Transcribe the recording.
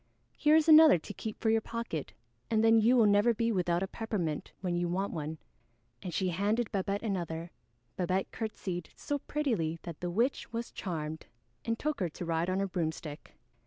Here is another to keep for your pocket, and then you will never be without a peppermint when you want one." And she handed Babette another. Babette curtseyed so prettily that the witch was charmed and took her to ride on her broomstick.